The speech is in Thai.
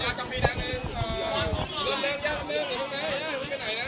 ยักษ์กับณเดชน์เป็นคนที่ถึงว่าเราค่อนข้างจริงค่ะ